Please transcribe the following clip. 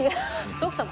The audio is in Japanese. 徳さん